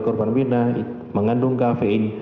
kurban mirna mengandung kafein